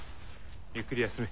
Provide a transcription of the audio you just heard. ゆっくり休め。